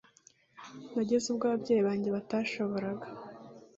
nageze ubwo ababyeyi banjye batashoboraga